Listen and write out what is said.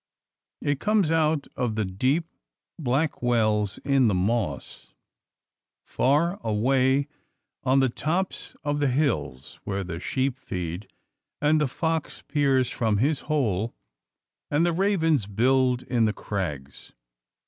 It comes out of the deep; black wells in the moss, far away on the tops of the hills, where the sheep feed, and the fox peers from his hole, and the ravens build in the crags.